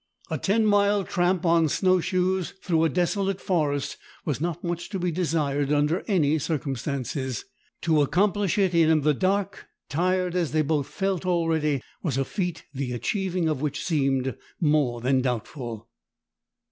A ten mile tramp on snow shoes through a desolate forest was not much to be desired under any circumstances. To accomplish it in the dark, tired as they both felt already, was a feat the achieving of which seemed more than doubtful.